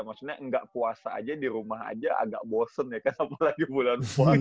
maksudnya nggak puasa aja di rumah aja agak boseng ya kan apalagi bulan puan